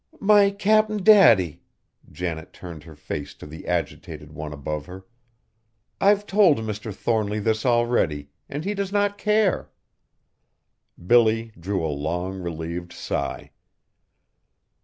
"My Cap'n Daddy!" Janet turned her face to the agitated one above her. "I've told Mr. Thornly this already, and he does not care!" Billy drew a long, relieved sigh.